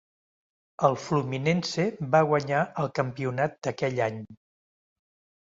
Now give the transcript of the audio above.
El Fluminense va guanyar el campionat d'aquell any.